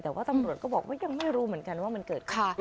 แต่ว่าตำรวจก็บอกว่ายังไม่รู้เหมือนกันว่ามันเกิดขึ้น